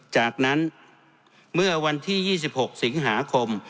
จากนั้นเมื่อวันที่๒๖สิงหาคม